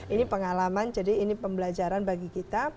ini pengalaman jadi ini pembelajaran bagi kita